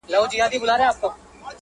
په څه خفه شولې چې داسې د بهر نه لاړې